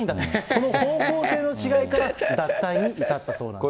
この方向性の違いから、脱退に至ったそうなんです。